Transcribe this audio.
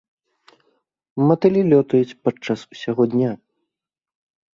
Матылі лётаюць падчас усяго дня.